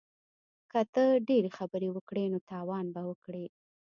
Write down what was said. که ته ډیرې خبرې وکړې نو تاوان به وکړې